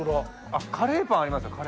あっカレーパンありますよ。